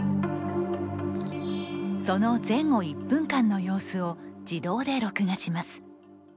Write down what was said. その前後１分間の様子を自動で録画します。